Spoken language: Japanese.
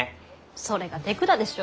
それが手管でしょ？